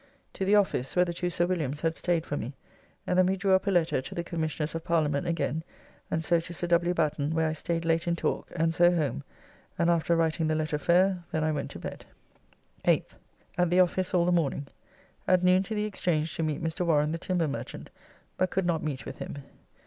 To the office, where the two Sir Williams had staid for me, and then we drew up a letter to the Commissioners of Parliament again, and so to Sir W. Batten, where I staid late in talk, and so home, and after writing the letter fair then I went to bed. 8th. At the office all the morning. At noon to the Exchange to meet Mr. Warren the timber merchant, but could not meet with him.